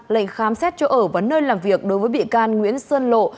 lệnh khám xét chỗ ở và nơi làm việc đối với bị can nguyễn sơn lộ